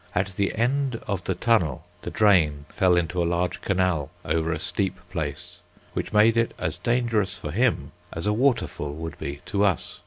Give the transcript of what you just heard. At the end of the tunnel the drain fell into a large canal over a steep place, which made it as dangerous for him as a waterfall would be to us.